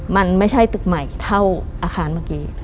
มันไม่ใช่ตึกใหม่เท่าอาคารเมื่อกี้